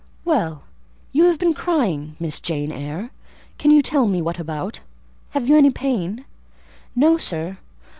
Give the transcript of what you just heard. "Well, you have been crying, Miss Jane Eyre; can you tell me what about? Have you any pain?" "No, sir."